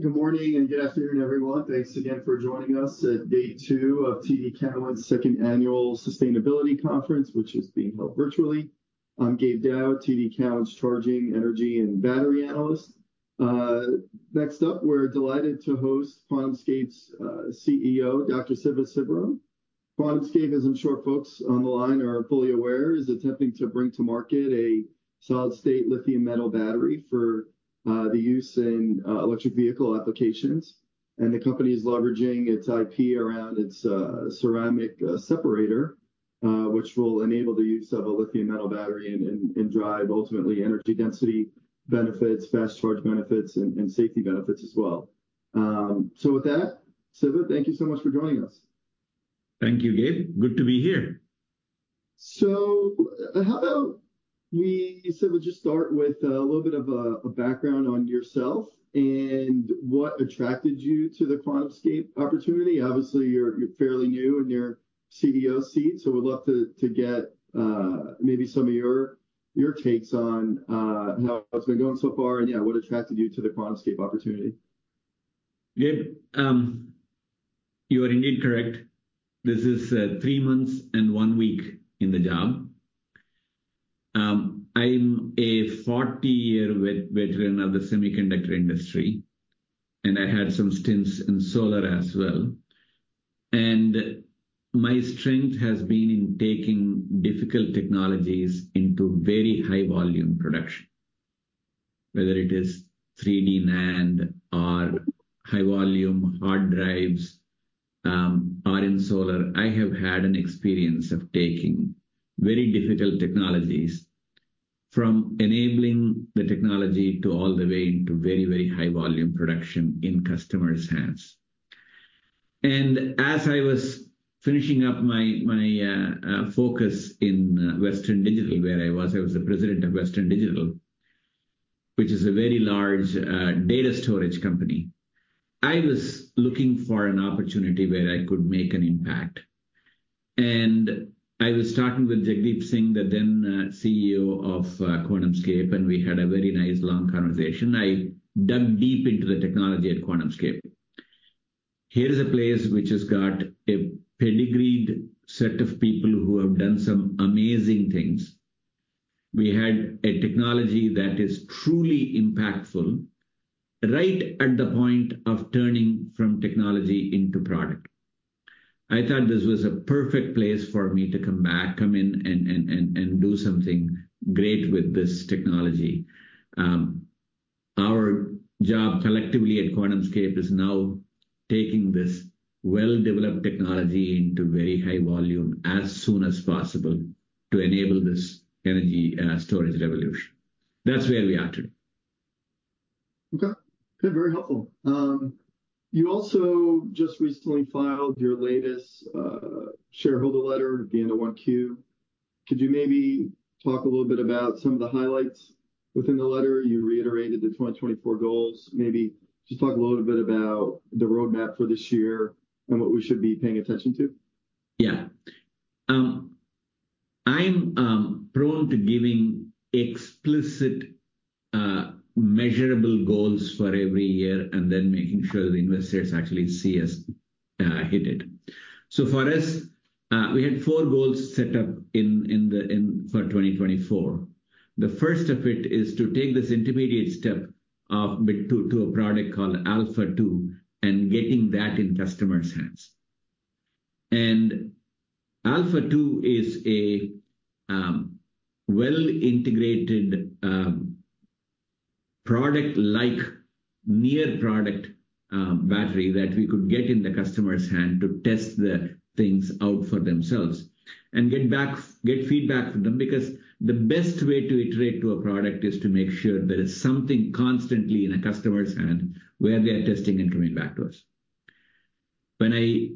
Good morning and good afternoon, everyone. Thanks again for joining us at day two of TD Cowen’s second annual Sustainability Conference, which is being held virtually. I'm Gabe Daoud, TD Cowen’s Charging Energy and Battery Analyst. Next up, we're delighted to host QuantumScape’s CEO, Dr. Siva Sivaram. QuantumScape, as I'm sure folks on the line are fully aware, is attempting to bring to market a solid-state lithium metal battery for the use in electric vehicle applications. And the company is leveraging its IP around its ceramic separator, which will enable the use of a lithium metal battery and drive ultimately energy density benefits, fast charge benefits, and safety benefits as well. So with that, Siva, thank you so much for joining us. Thank you, Gabe. Good to be here. So how about we, Siva, just start with a little bit of a background on yourself and what attracted you to the QuantumScape opportunity? Obviously, you're fairly new in your CEO seat, so we'd love to get maybe some of your takes on how it's been going so far, and yeah, what attracted you to the QuantumScape opportunity. Gabe, you are indeed correct. This is three months and one week in the job. I'm a 40-year veteran of the semiconductor industry, and I had some stints in solar as well. My strength has been in taking difficult technologies into very high volume production. Whether it is 3D NAND or high volume hard drives, or in solar, I have had an experience of taking very difficult technologies from enabling the technology to all the way to very, very high volume production in customers' hands. As I was finishing up my focus in Western Digital, where I was the president of Western Digital, which is a very large data storage company, I was looking for an opportunity where I could make an impact. And I was talking with Jagdeep Singh, the then CEO of QuantumScape, and we had a very nice, long conversation. I dug deep into the technology at QuantumScape. Here is a place which has got a pedigreed set of people who have done some amazing things. We had a technology that is truly impactful, right at the point of turning from technology into product. I thought this was a perfect place for me to come back, come in and do something great with this technology. Our job collectively at QuantumScape is now taking this well-developed technology into very high volume as soon as possible to enable this energy storage revolution. That's where we are today. Okay. Good, very helpful. You also just recently filed your latest, shareholder letter at the end of Q1. Could you maybe talk a little bit about some of the highlights within the letter? You reiterated the 2024 goals. Maybe just talk a little bit about the roadmap for this year and what we should be paying attention to. Yeah. I'm prone to giving explicit, measurable goals for every year and then making sure the investors actually see us hit it. So for us, we had four goals set up for 2024. The first of it is to take this intermediate step to a product called Alpha-2, and getting that in customers' hands. And Alpha-2 is a well-integrated, product-like, near product battery that we could get in the customer's hand to test the things out for themselves and get feedback from them. Because the best way to iterate to a product is to make sure there is something constantly in a customer's hand where they are testing and coming back to us. When I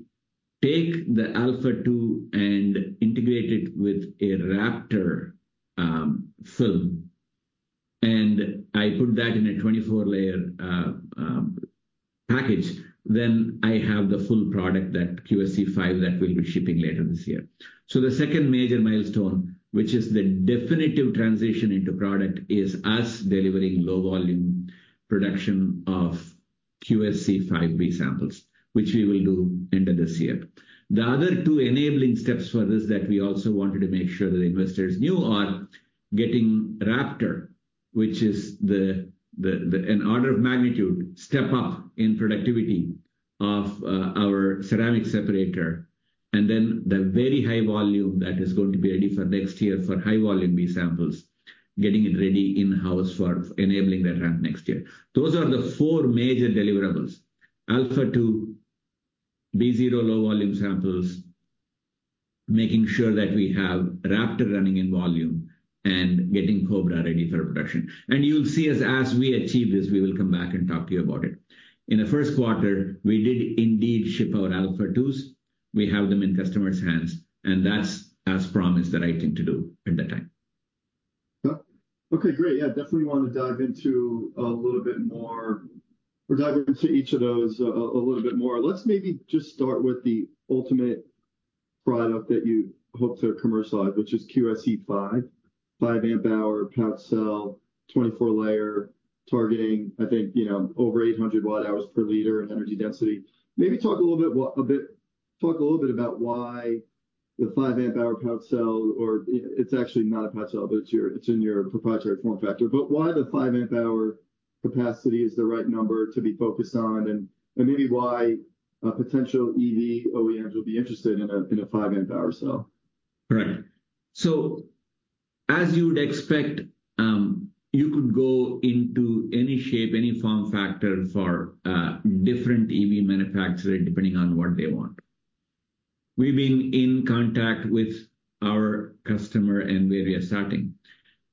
take the Alpha-2 and integrate it with a Raptor film, and I put that in a 24-layer package, then I have the full product, that QSE-5, that we'll be shipping later this year. So the second major milestone, which is the definitive transition into product, is us delivering low-volume production of QSE-5 B-samples, which we will do end of this year. The other two enabling steps for this that we also wanted to make sure that investors knew are getting Raptor, which is an order of magnitude step up in productivity of our ceramic separator, and then the very high volume that is going to be ready for next year for high-volume B-samples, getting it ready in-house for enabling that ramp next year. Those are the four major deliverables: Alpha-2, B-sample low-volume samples, making sure that we have Raptor running in volume, and getting Cobra ready for production. And you'll see as we achieve this, we will come back and talk to you about it. In the first quarter, we did indeed ship our Alpha-2s. We have them in customers' hands, and that's as promised that I came to do at that time. Okay, great. Yeah, definitely want to dive into a little bit more or dive into each of those a little bit more. Let's maybe just start with the ultimate product that you hope to commercialize, which is QSE-5, 5 Ah pouch cell, 24-layer, targeting, I think, you know, over 800 Wh/L in energy density. Maybe talk a little bit about why the 5 Ah pouch cell, or it, it's actually not a pouch cell, but it's your, it's in your proprietary form factor. But why the 5 Ah capacity is the right number to be focused on, and maybe why potential EV OEMs will be interested in a 5 Ah cell? Right. So as you would expect, you could go into any shape, any form factor for different EV manufacturer, depending on what they want. We've been in contact with our customer, and we are starting.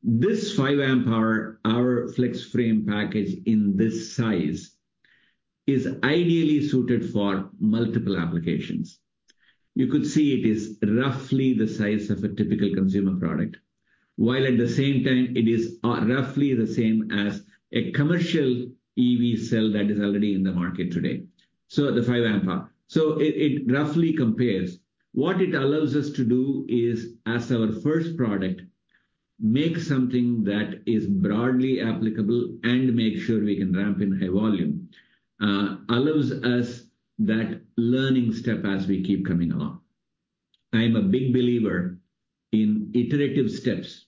This 5 amp hour, our FlexFrame package in this size, is ideally suited for multiple applications. You could see it is roughly the size of a typical consumer product, while at the same time it is roughly the same as a commercial EV cell that is already in the market today, so the 5 amp hour. So it, it roughly compares. What it allows us to do is, as our first product, make something that is broadly applicable and make sure we can ramp in high volume, allows us that learning step as we keep coming along. I'm a big believer in iterative steps.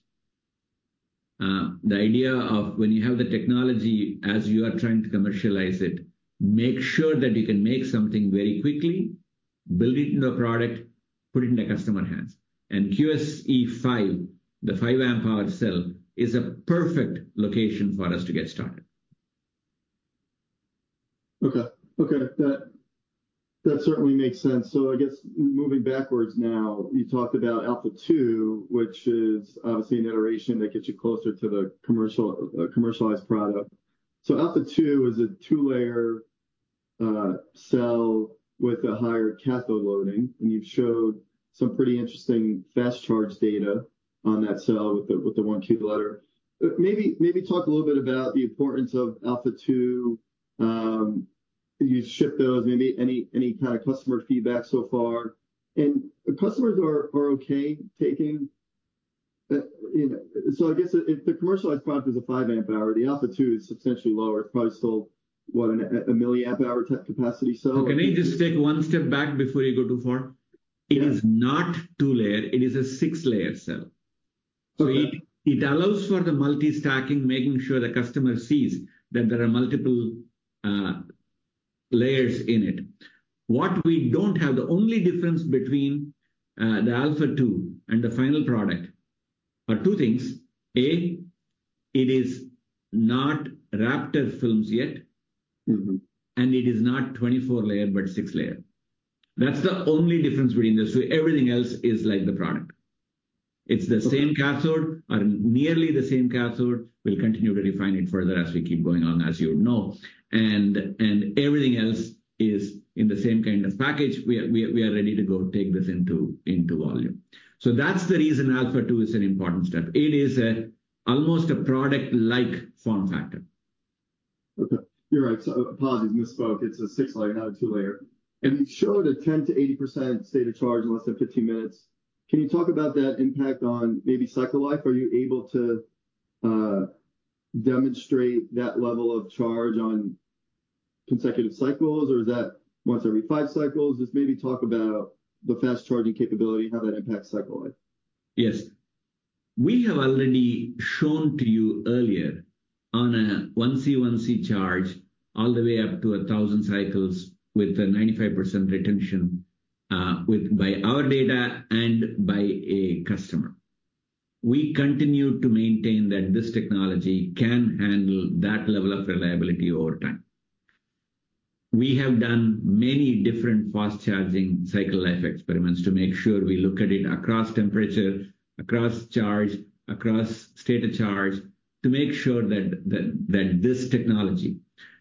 The idea of when you have the technology, as you are trying to commercialize it, make sure that you can make something very quickly, build it into a product, put it in the customer's hands. And QSE-5, the 5 amp hour cell, is a perfect location for us to get started. Okay. Okay, that, that certainly makes sense. So I guess moving backwards now, you talked about Alpha-2, which is obviously an iteration that gets you closer to the commercial, commercialized product. So Alpha-2 is a two-layer cell with a higher cathode loading, and you've showed some pretty interesting fast charge data on that cell with the 1C rate. Maybe, maybe talk a little bit about the importance of Alpha-2. You ship those, maybe any kind of customer feedback so far? And the customers are, are okay taking, you know... So I guess if the commercialized product is a five amp-hour, the Alpha-2 is substantially lower, it's probably still, what, a milliamp-hour type capacity, so- Can I just take one step back before you go too far? Yeah. It is not two-layer, it is a six-layer cell. Okay. So it allows for the multi-stacking, making sure the customer sees that there are multiple layers in it. What we don't have. The only difference between the Alpha-2 and the final product are two things: A, it is not wrapped as films yet. Mm-hmm. It is not 24 layer, but 6 layer. That's the only difference between this. So everything else is like the product. Okay. It's the same cathode, or nearly the same cathode. We'll continue to refine it further as we keep going on, as you know. And everything else is in the same kind of package. We are ready to go take this into volume. So that's the reason Alpha-2 is an important step. It is almost a product-like form factor. Okay. You're right, so I apologize, misspoke. It's a 6-layer, not a 2-layer. And you showed a 10%-80% state of charge in less than 15 minutes. Can you talk about that impact on maybe cycle life? Are you able to demonstrate that level of charge on consecutive cycles, or is that once every 5 cycles? Just maybe talk about the fast charging capability, how that impacts cycle life. Yes. We have already shown to you earlier on a 1C-1C charge, all the way up to 1,000 cycles with a 95% retention, with, by our data and by a customer. We continue to maintain that this technology can handle that level of reliability over time. We have done many different fast charging cycle life experiments to make sure we look at it across temperature, across charge, across state of charge, to make sure that this technology,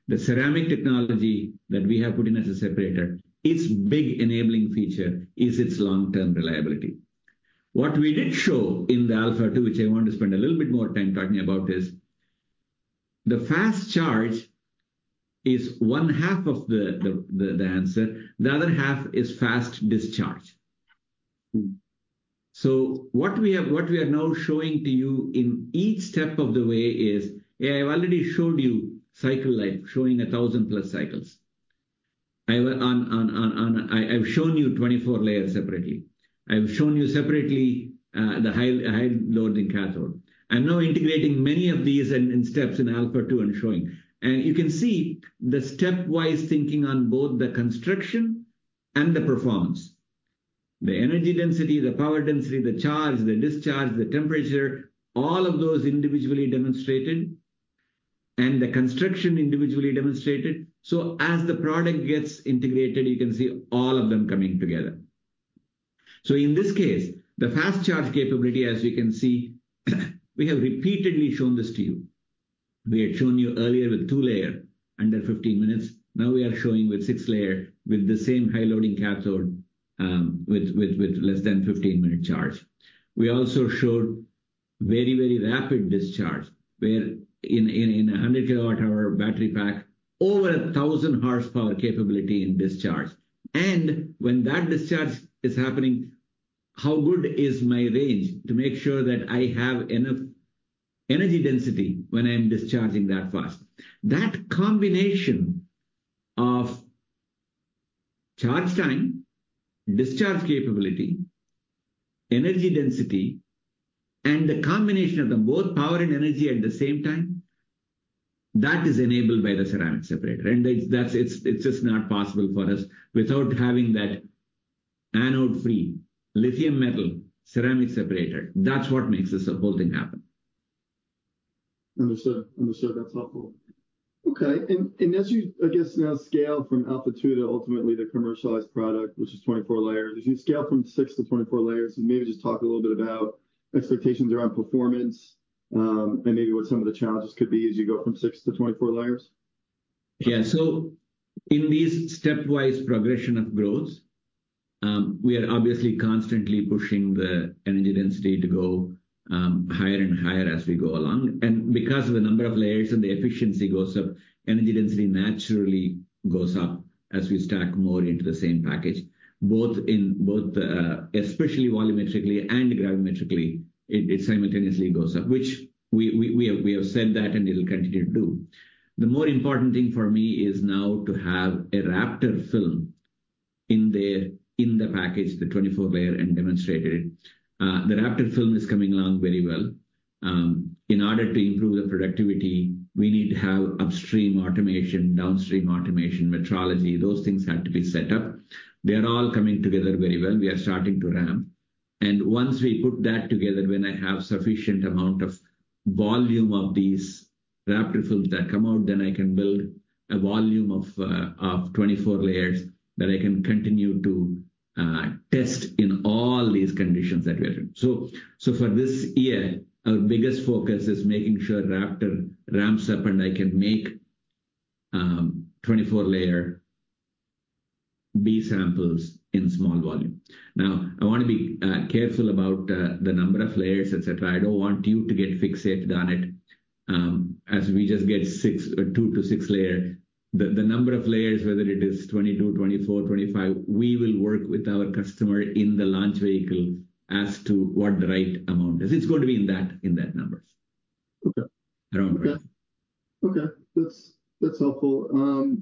the ceramic technology that we have put in as a separator, its big enabling feature is its long-term reliability. What we did show in the Alpha-2, which I want to spend a little bit more time talking about, is the fast charge is one half of the answer, the other half is fast discharge. Mm. So what we have, what we are now showing to you in each step of the way is I have already showed you cycle life, showing 1,000+ cycles. I've shown you 24 layers separately. I've shown you separately the high-loading cathode. I'm now integrating many of these in steps in Alpha-2 and showing. You can see the stepwise thinking on both the construction and the performance. The energy density, the power density, the charge, the discharge, the temperature, all of those individually demonstrated, and the construction individually demonstrated. So as the product gets integrated, you can see all of them coming together. So in this case, the fast charge capability, as you can see, we have repeatedly shown this to you. We had shown you earlier with 2-layer under 15 minutes. Now we are showing with six-layer, with the same high loading cathode, with less than 15-minute charge. We also showed very rapid discharge, where in a 100 kWh battery pack, over 1,000 horsepower capability in discharge. And when that discharge is happening, how good is my range to make sure that I have enough energy density when I'm discharging that fast? That combination of charge time, discharge capability, energy density, and the combination of them, both power and energy at the same time, that is enabled by the ceramic separator. And that's, it's just not possible for us without having that anode-free, lithium metal, ceramic separator. That's what makes this whole thing happen. Understood. Understood. That's helpful. Okay, and as you, I guess, now scale from Alpha-2 to ultimately the commercialized product, which is 24 layers, as you scale from 6 to 24 layers, and maybe just talk a little bit about expectations around performance, and maybe what some of the challenges could be as you go from 6-24 layers? Yeah. So in this stepwise progression of growth, we are obviously constantly pushing the energy density to go higher and higher as we go along. And because of the number of layers and the efficiency goes up, energy density naturally goes up as we stack more into the same package, both in, both, especially volumetrically and gravimetrically, it, it simultaneously goes up, which we, we, we have, we have said that, and it'll continue to do. The more important thing for me is now to have a Raptor film in the, in the package, the 24-layer, and demonstrated it. The Raptor film is coming along very well. In order to improve the productivity, we need to have upstream automation, downstream automation, metrology, those things have to be set up. They're all coming together very well. We are starting to ramp. Once we put that together, when I have sufficient amount of volume of these Raptor films that come out, then I can build a volume of 24 layers that I can continue to test in all these conditions that we have. So for this year, our biggest focus is making sure Raptor ramps up, and I can make 24-layer B-samples in small volume. Now, I want to be careful about the number of layers, etc. I don't want you to get fixated on it, as we just get 6 or 2-6 layer. The number of layers, whether it is 22, 24, 25, we will work with our customer in the launch vehicle as to what the right amount is. It's going to be in that numbers. Okay. Around there. Okay. That's, that's helpful.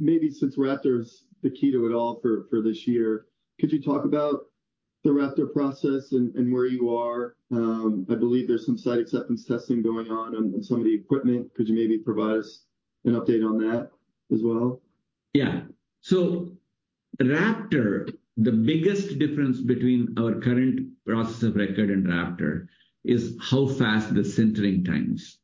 Maybe since Raptor's the key to it all for this year, could you talk about the Raptor process and where you are? I believe there's some site acceptance testing going on some of the equipment. Could you maybe provide us an update on that as well? Yeah. So Raptor, the biggest difference between our current process of record and Raptor is how fast the sintering times.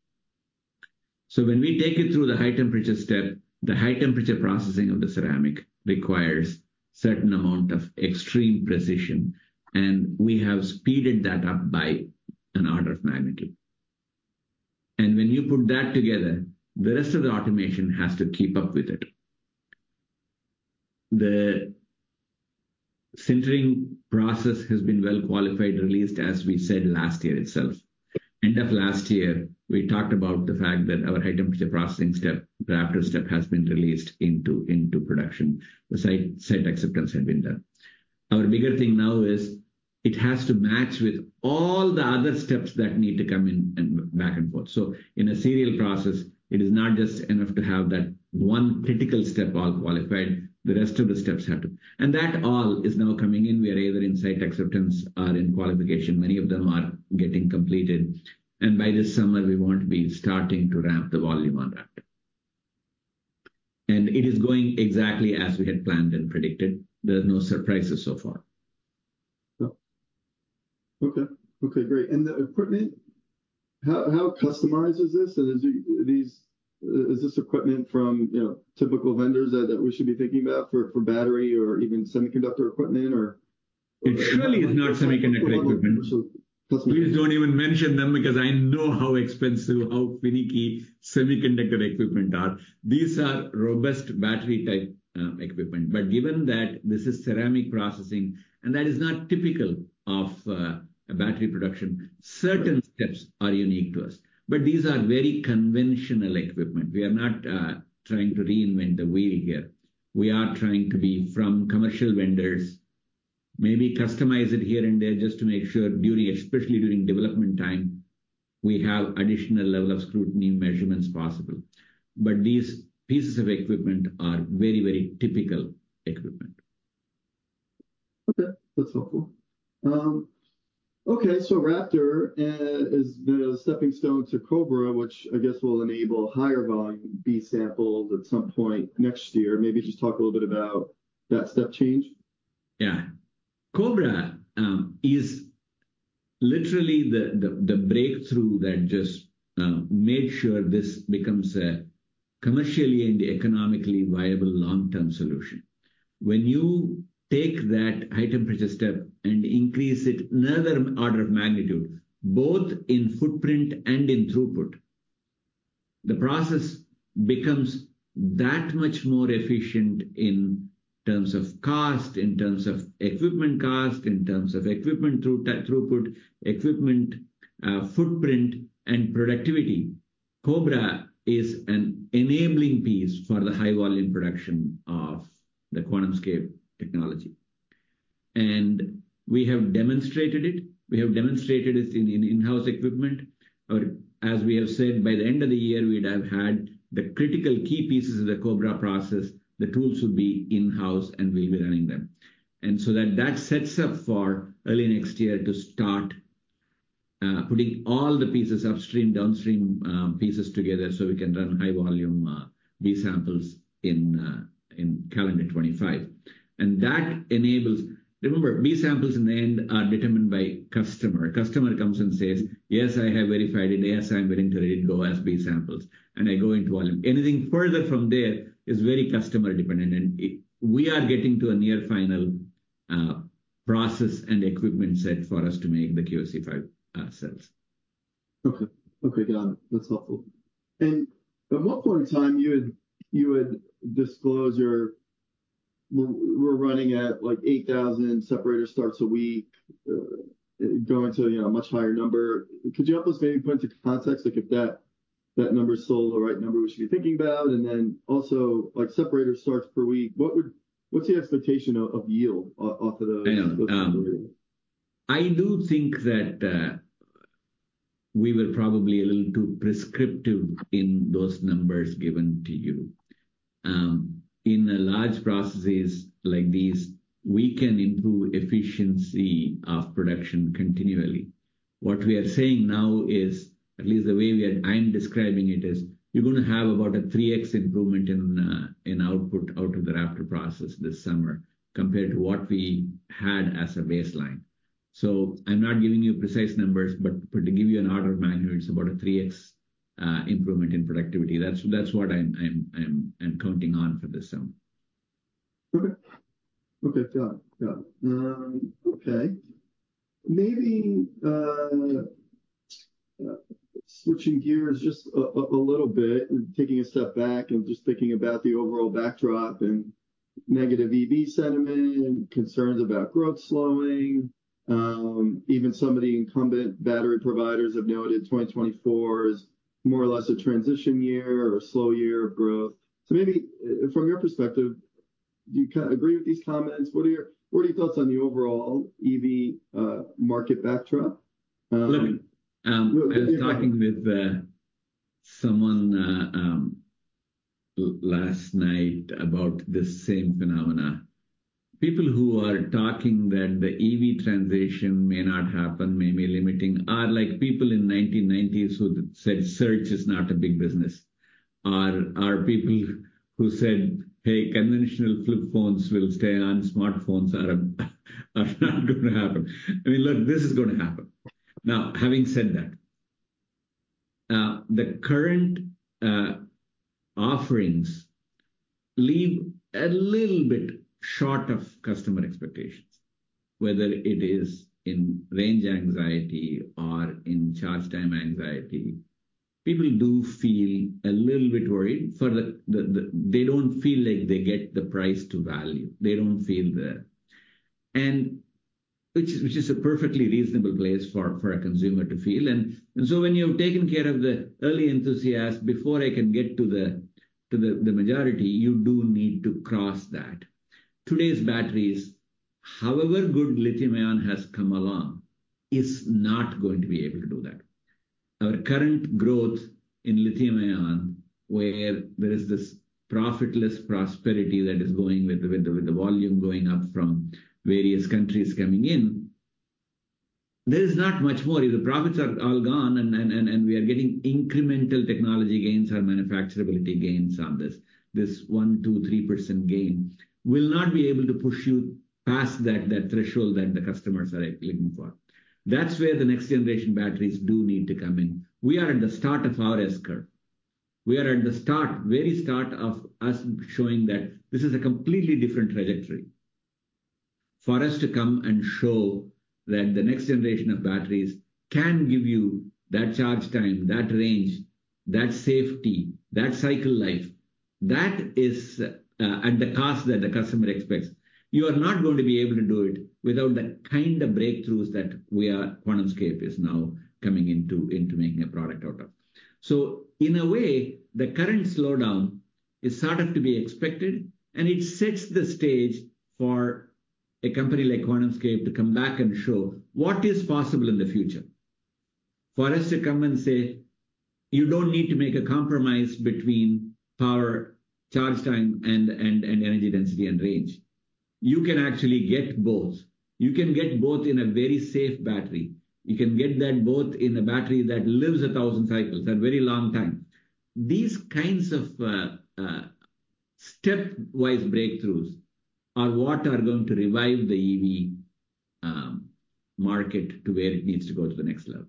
So when we take it through the high temperature step, the high temperature processing of the ceramic requires certain amount of extreme precision, and we have speeded that up by an order of magnitude. And when you put that together, the rest of the automation has to keep up with it. The sintering process has been well qualified, released, as we said last year itself. End of last year, we talked about the fact that our high temperature processing step, the Raptor step, has been released into, into production. The site, site acceptance had been done. Our bigger thing now is it has to match with all the other steps that need to come in and back and forth. So, in a serial process, it is not just enough to have that one critical step well qualified, the rest of the steps have to. And that all is now coming in. We are either in site acceptance or in qualification. Many of them are getting completed, and by this summer, we want to be starting to ramp the volume on Raptor. And it is going exactly as we had planned and predicted. There are no surprises so far. Oh, okay. Okay, great. And the equipment, how, how customized is this? And is these, is this equipment from, you know, typical vendors that, that we should be thinking about for, for battery or even semiconductor equipment, or? It surely is not semiconductor equipment. So- Please don't even mention them, because I know how expensive, how finicky semiconductor equipment are. These are robust battery-type equipment. But given that this is ceramic processing, and that is not typical of a battery production, certain steps are unique to us. But these are very conventional equipment. We are not trying to reinvent the wheel here. We are trying to be from commercial vendors, maybe customize it here and there just to make sure during, especially during development time, we have additional level of scrutiny measurements possible. But these pieces of equipment are very, very typical equipment. Okay. That's helpful. Okay, so Raptor is the steppingstone to Cobra, which I guess will enable higher volume B samples at some point next year. Maybe just talk a little bit about that step change. Yeah. Cobra is literally the breakthrough that just made sure this becomes a commercially and economically viable long-term solution. When you take that high temperature step and increase it another order of magnitude, both in footprint and in throughput. The process becomes that much more efficient in terms of cost, in terms of equipment cost, in terms of equipment throughput, equipment footprint, and productivity. Cobra is an enabling piece for the high-volume production of the QuantumScape technology. And we have demonstrated it. We have demonstrated it in in-house equipment. Or as we have said, by the end of the year, we'd have had the critical key pieces of the Cobra process, the tools will be in-house, and we'll be running them. So then that sets up for early next year to start putting all the pieces upstream, downstream pieces together, so we can run high volume B-samples in calendar 2025. And that enables. Remember, B-samples in the end are determined by customer. Customer comes and says, "Yes, I have verified it. Yes, I'm willing to let it go as B-samples, and I go into volume." Anything further from there is very customer dependent, and it. We are getting to a near final process and equipment set for us to make the QSE-5 cells. Okay. Okay, got it. That's helpful. And at one point in time, you had disclosed your – we're running at, like, 8,000 separator starts a week, going to, you know, a much higher number. Could you help us maybe put into context, like, if that number is still the right number we should be thinking about? And then also, like, separator starts per week, what's the expectation of yield off of those? I know. I do think that, we were probably a little too prescriptive in those numbers given to you. In the large processes like these, we can improve efficiency of production continually. What we are saying now is, at least the way I am describing it, is you're gonna have about a 3x improvement in output out of the Raptor process this summer compared to what we had as a baseline. So I'm not giving you precise numbers, but to give you an order of magnitude, it's about a 3x improvement in productivity. That's what I'm counting on for this summer. Okay. Okay, got it. Got it. Okay. Maybe, switching gears just a little bit and taking a step back and just thinking about the overall backdrop and negative EV sentiment and concerns about growth slowing. Even some of the incumbent battery providers have noted 2024 is more or less a transition year or a slow year of growth. So maybe, from your perspective, do you agree with these comments? What are your, what are your thoughts on the overall EV market backdrop? Let me, Go ahead. I was talking with someone last night about this same phenomena. People who are talking that the EV transition may not happen, may be limiting, are like people in 1990s who said search is not a big business, or are people who said, "Hey, conventional flip phones will stay, and smartphones are not gonna happen." I mean, look, this is gonna happen. Now, having said that, the current offerings leave a little bit short of customer expectations, whether it is in range anxiety or in charge time anxiety. People do feel a little bit worried for the-- they don't feel like they get the price to value. They don't feel the... And which is a perfectly reasonable place for a consumer to feel. And so when you've taken care of the early enthusiasts, before I can get to the majority, you do need to cross that. Today's batteries, however good lithium-ion has come along, is not going to be able to do that. Our current growth in lithium-ion, where there is this profitless prosperity that is going with the volume going up from various countries coming in, there's not much more. The profits are all gone, and we are getting incremental technology gains or manufacturability gains on this. This 1, 2, 3% gain will not be able to push you past that threshold that the customers are looking for. That's where the next generation batteries do need to come in. We are at the start of our S-curve. We are at the start, very start of us showing that this is a completely different trajectory. For us to come and show that the next generation of batteries can give you that charge time, that range, that safety, that cycle life, that is, at the cost that the customer expects. You are not going to be able to do it without the kind of breakthroughs that we are—QuantumScape is now coming into, into making a product out of. So in a way, the current slowdown is sort of to be expected, and it sets the stage for a company like QuantumScape to come back and show what is possible in the future. For us to come and say: You don't need to make a compromise between power, charge time, and energy density and range. You can actually get both. You can get both in a very safe battery. You can get that both in a battery that lives 1,000 cycles, a very long time. These kinds of stepwise breakthroughs are what are going to revive the EV market to where it needs to go to the next level.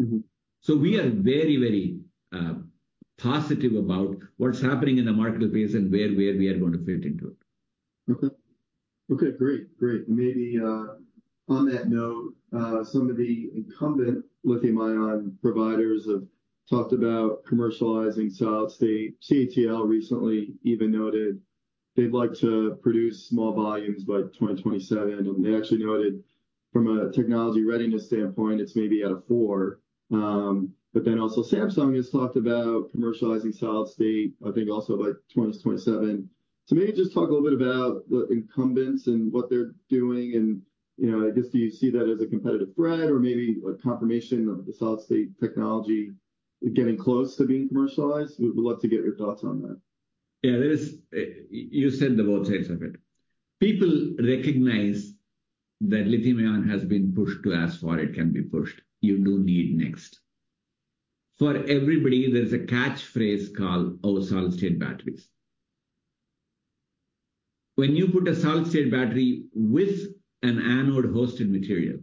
Mm-hmm. We are very, very positive about what's happening in the marketplace and where we are going to fit into it. Okay. Okay, great, great. Maybe on that note, some of the incumbent lithium-ion providers have talked about commercializing solid-state. CATL recently even noted they'd like to produce small volumes by 2027, and they actually noted from a technology readiness standpoint, it's maybe at a four. But then also Samsung has talked about commercializing solid-state, I think also by 2027. So maybe just talk a little bit about the incumbents and what they're doing, and, you know, I guess, do you see that as a competitive threat or maybe a confirmation of the solid-state technology getting close to being commercialized? We would love to get your thoughts on that. Yeah, there is, you said the both sides of it. People recognize that lithium-ion has been pushed to as far it can be pushed. You do need next. For everybody, there's a catchphrase called, "Oh, solid-state batteries." When you put a solid-state battery with an anode-hosted material,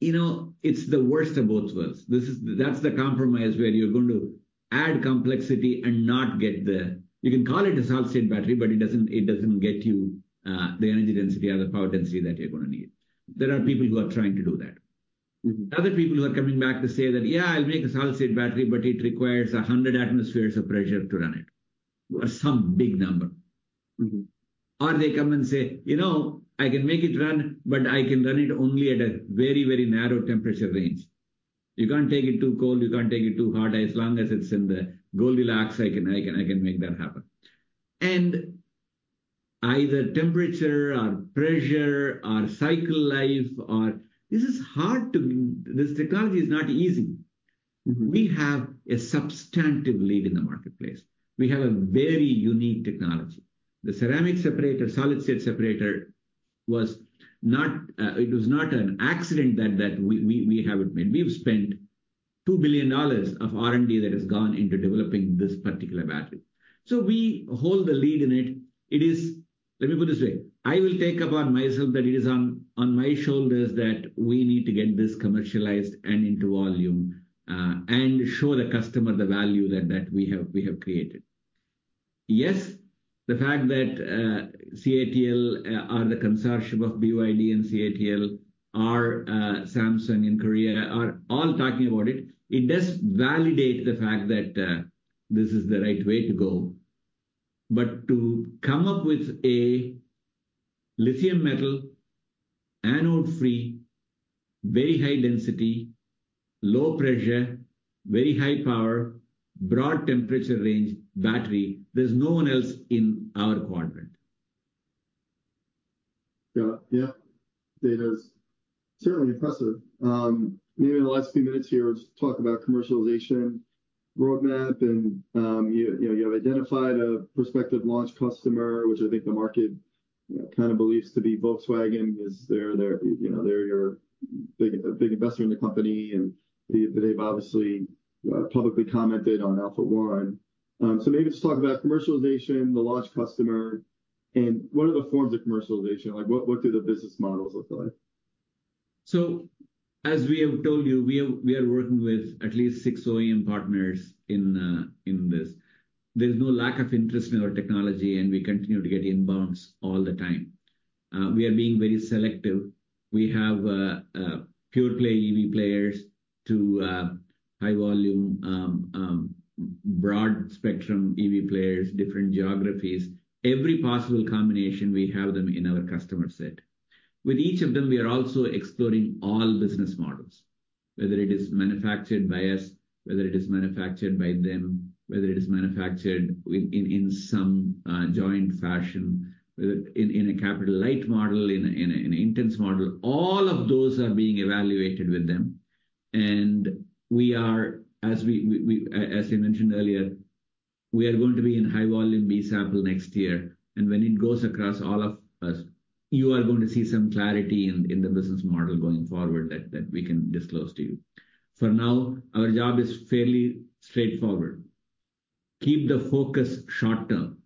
you know, it's the worst of both worlds. This is... That's the compromise where you're going to add complexity and not get the... You can call it a solid-state battery, but it doesn't, it doesn't get you, the energy density or the power density that you're gonna need. There are people who are trying to do that. Mm-hmm. Other people who are coming back to say that, "Yeah, I'll make a solid-state battery, but it requires 100 atmospheres of pressure to run it," or some big number. Mm-hmm. Or they come and say, "You know, I can make it run, but I can run it only at a very, very narrow temperature range. You can't take it too cold, you can't take it too hot. As long as it's in the Goldilocks, I can, I can, I can make that happen." And either temperature or pressure or cycle life or... This is hard to... This technology is not easy. Mm-hmm. We have a substantive lead in the marketplace. We have a very unique technology. The ceramic separator, solid-state separator, was not an accident that we have it made. We've spent $2 billion of R&D that has gone into developing this particular battery. So we hold the lead in it. It is... Let me put it this way: I will take upon myself that it is on my shoulders that we need to get this commercialized and into volume, and show the customer the value that we have created. Yes, the fact that CATL or the consortium of BYD and CATL are, Samsung and Korea are all talking about it, it does validate the fact that this is the right way to go. To come up with a lithium metal, anode-free, very high density, low pressure, very high power, broad temperature range battery, there's no one else in our quadrant. Yeah. Yeah, that is certainly impressive. Maybe in the last few minutes here, let's talk about commercialization roadmap and, you know, you have identified a prospective launch customer, which I think the market, kind of, believes to be Volkswagen, is their, you know, they're your big, big investor in the company, and they've obviously publicly commented on Alpha-1. So maybe just talk about commercialization, the launch customer, and what are the forms of commercialization? Like, what do the business models look like? So as we have told you, we are working with at least six OEM partners in this. There's no lack of interest in our technology, and we continue to get inbounds all the time. We are being very selective. We have pure-play EV players to high volume broad spectrum EV players, different geographies. Every possible combination, we have them in our customer set. With each of them, we are also exploring all business models, whether it is manufactured by us, whether it is manufactured by them, whether it is manufactured in some joint fashion, whether in a capital light model, in a intense model, all of those are being evaluated with them. We are, as I mentioned earlier, going to be in high volume B-sample next year, and when it goes across all of us, you are going to see some clarity in the business model going forward that we can disclose to you. For now, our job is fairly straightforward: Keep the focus short term.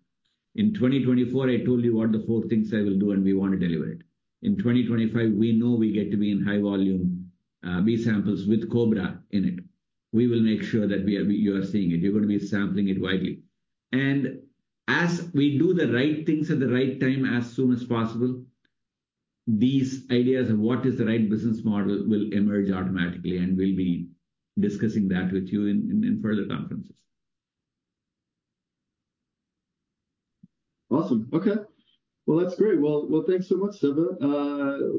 In 2024, I told you what the four things I will do, and we want to deliver it. In 2025, we know we get to be in high volume B-samples with Cobra in it. We will make sure that we are you are seeing it. You're gonna be sampling it widely. As we do the right things at the right time, as soon as possible, these ideas of what is the right business model will emerge automatically, and we'll be discussing that with you in further conferences. Awesome. Okay. Well, that's great. Well, well, thanks so much, Siva.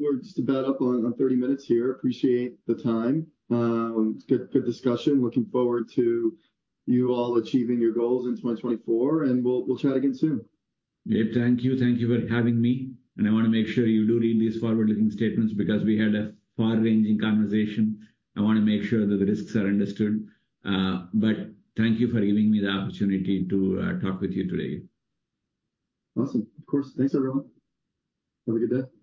We're just about up on, on 30 minutes here. Appreciate the time. It's good, good discussion. Looking forward to you all achieving your goals in 2024, and we'll, we'll chat again soon. Yeah. Thank you. Thank you for having me, and I want to make sure you do read these forward-looking statements because we had a far-ranging conversation. I want to make sure that the risks are understood. But thank you for giving me the opportunity to talk with you today. Awesome. Of course. Thanks, everyone. Have a good day.